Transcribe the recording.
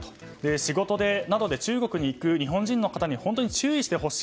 仕事などで中国に行く日本人の方に本当に注意してほしい。